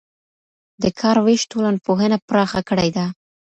د کار وېش ټولنپوهنه پراخه کړې ده.